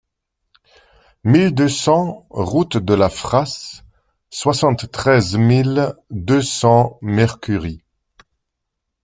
mille deux cents route de la Frasse, soixante-treize mille deux cents Mercury